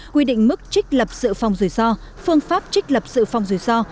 quy định mức trích lập sự phòng rủi ro phương pháp trích lập sự phòng rủi ro